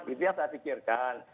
itu yang saya pikirkan